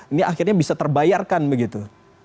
ini akhirnya bisa terbayarkan begitu